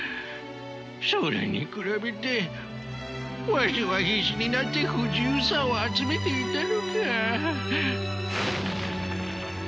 それに比べてわしは必死になって不自由さを集めていたのか。